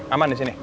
aman di sini